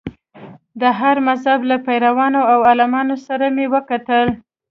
د هر مذهب له پیروانو او عالمانو سره مې وکتل.